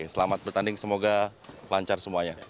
selamat bertanding semoga lancar semuanya